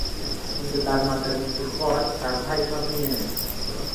কিন্তু তার মাতার মৃত্যুর পর তার ভাই সব নিয়ে নেন।